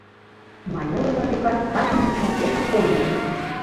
— Майорова, векат, качын йӱкшым пешак колнеже.